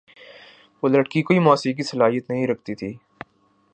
وہ لڑکی کوئی موسیقی صلاحیت نہیں رکھتی تھی۔